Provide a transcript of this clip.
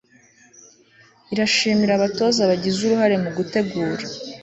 irashimira abatoza bagize uruhare mu gutegura